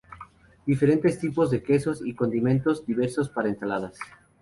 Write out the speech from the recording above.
Diferentes tipos de quesos y condimentos diversos para ensaladas.